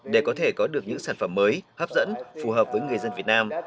để có thể có được những sản phẩm mới hấp dẫn phù hợp với người dân việt nam